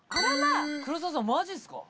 黒沢さんマジっすか？